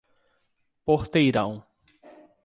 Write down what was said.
Porteirão